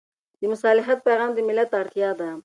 د مصالحت پېغام د ملت اړتیا ده.